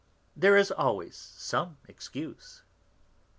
There is always some excuse."